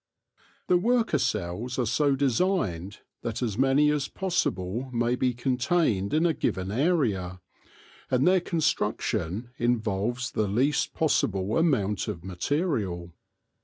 The worker cells are so designed that as many as possible may be contained in a given area, and their construction involves the least possible amount of material.